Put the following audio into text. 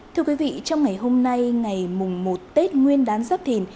thưa quý vị trong ngày hôm nay ngày một tết nguyên đán giáp thìn